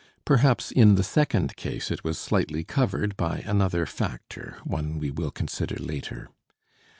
Perhaps in the second case it was slightly covered by another factor one we will consider later.